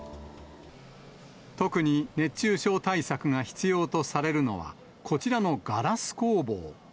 特に熱中症対策が必要とされるのは、こちらのガラス工房。